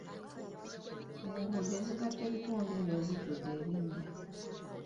Enguudo ezigatta ebitundu ebyo zijjudde ebinnya.